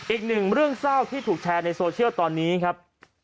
อีกหนึ่งเรื่องเศร้าที่ถูกแชร์ในโซเชียลตอนนี้ครับ